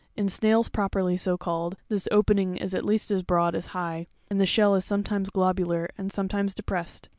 In snails properly so cailed, this opening is at least as broad as high, and the shell is sometimes globular and sometimes depressed.